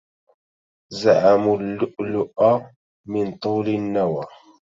زعموا اللؤلؤ من طول النوى